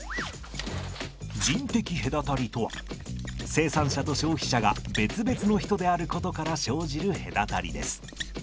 人的隔たりとは生産者と消費者が別々の人であることから生じる隔たりです。